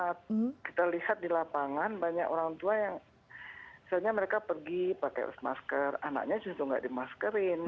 karena kita lihat di lapangan banyak orang tua yang misalnya mereka pergi pakai maskers anaknya justru nggak dimaskerin gitu